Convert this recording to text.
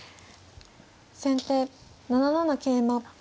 先手７七桂馬。